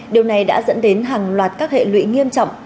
điều này đã dẫn đến hàng loạt các hệ lụy nghiêm trọng